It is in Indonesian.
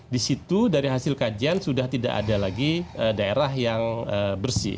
di situ dari hasil kajian sudah tidak ada lagi daerah yang bersih